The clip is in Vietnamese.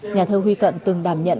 nhà thơ huy cận từng đảm nhận